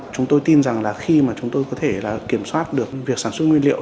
chúng tôi tin rằng là khi mà chúng tôi có thể kiểm soát được việc sản xuất nguyên liệu